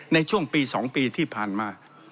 ในช่วงปี๒ปีที่ผ่านมา